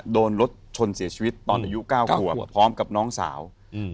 โดนรถชนเสียชีวิตตอนอายุเก้าขวบพร้อมกับน้องสาวอืม